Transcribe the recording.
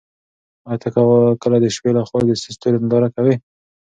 ایا ته کله د شپې له خوا د ستورو ننداره کوې؟